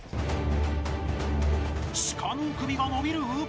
鹿の首が伸びる？